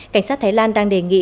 cảnh sát thái lan đang đề nghị